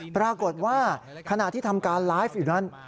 ปรากฏว่าขณะที่ทำการไลฟ์อยู่นั้น